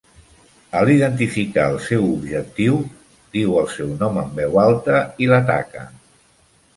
Al identificar el seu objectiu, diu el seu nom en veu alta i l'ataca.